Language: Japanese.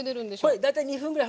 これ大体２分ぐらい。